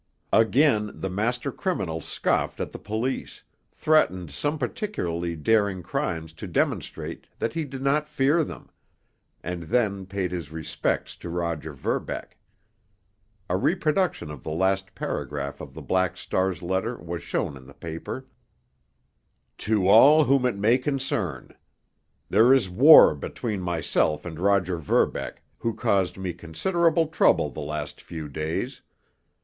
Again the master criminal scoffed at the police, threatened some particularly daring crimes to demonstrate that he did not fear them, and then paid his respects to Roger Verbeck. A reproduction of the last paragraph of the Black Star's letter was shown in the paper: To All Whom It May Concern: There is war between myself and Roger Verbeck, who caused me considerable trouble the last few days.